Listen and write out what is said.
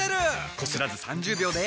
こすらず３０秒で。